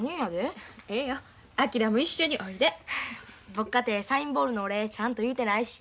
僕かてサインボールのお礼ちゃんと言うてないし。